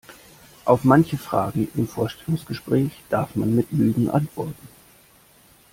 Auf manche Fragen im Vorstellungsgespräch darf man mit Lügen antworten.